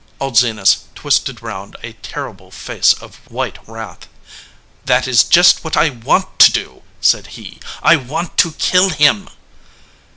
Old Zenas twisted round a terrible face of white wrath. "That is just what I want to do," said he. "I want to kill him